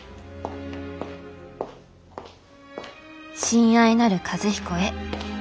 「親愛なる和彦へ。